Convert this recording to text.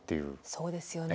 そうですよね。